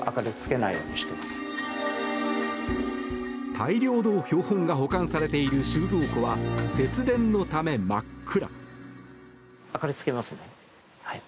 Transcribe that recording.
大量の標本が保管されている収蔵庫は節電のため、真っ暗。